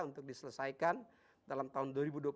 untuk diselesaikan dalam tahun dua ribu dua puluh